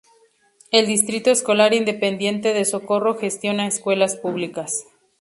El Distrito Escolar Independiente de Socorro gestiona escuelas públicas.